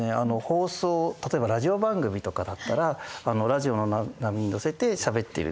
放送例えばラジオ番組とかだったらラジオの波に乗せてしゃべっている。